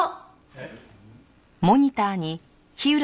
えっ？